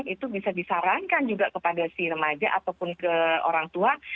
itu bisa disarankan juga kepada si remaja ataupun ke orang tua